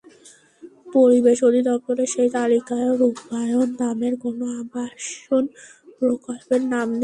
পরিবেশ অধিদপ্তরের সেই তালিকায়ও রূপায়ণ নামের কোনো আবাসন প্রকল্পের নাম নেই।